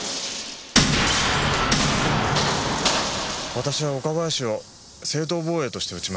私は岡林を正当防衛として撃ちました。